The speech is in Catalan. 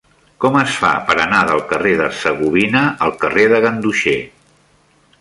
Com es fa per anar del carrer d'Hercegovina al carrer de Ganduxer?